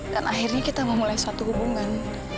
dan akhirnya kita memulai satu hubungan